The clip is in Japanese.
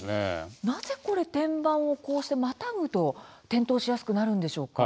なぜ、これ天板をこうしてまたぐと転倒しやすくなるんでしょうか。